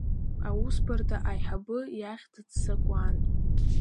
Аусбарҭа аиҳабы иахь дыццакуан.